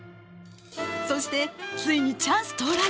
そしてついにチャンス到来。